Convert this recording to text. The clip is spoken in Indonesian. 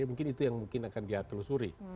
mungkin itu yang mungkin akan dia telusuri